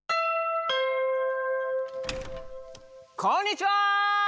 こんにちは！